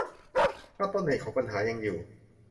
ถ้าต้นเหตุของปัญหายังอยู่